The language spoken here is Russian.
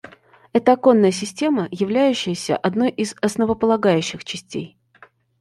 Это оконная система, являющаяся одной из основополагающих частей